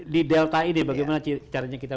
di delta ini bagaimana caranya kita